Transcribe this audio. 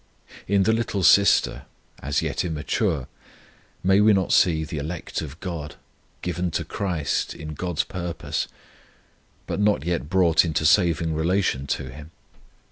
In the little sister, as yet immature, may we not see the elect of GOD, given to CHRIST in GOD'S purpose, but not yet brought into saving relation to Him?